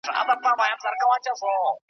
د هغه مرحوم په ویر کي ولیکل.